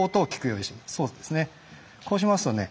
こうしますとね